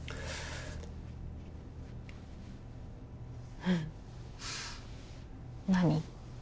うん何？